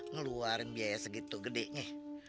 ngeluarin biaya segitu gedenya